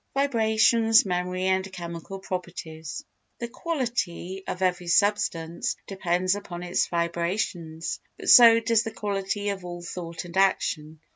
Vibrations, Memory and Chemical Properties The quality of every substance depends upon its vibrations, but so does the quality of all thought and action.